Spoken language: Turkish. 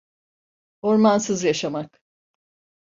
Ormansız yaşamak!